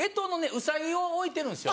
ウサギを置いてるんですよ。